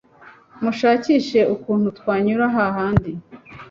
Mushakishe ukuntu twanyura hahandi